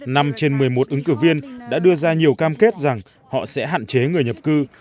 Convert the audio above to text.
năm trên một mươi một ứng cử viên đã đưa ra nhiều cam kết rằng họ sẽ hạn chế người nhập cư